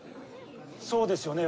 そうですよね？